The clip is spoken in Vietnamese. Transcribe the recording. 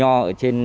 để cắt cái chùm nho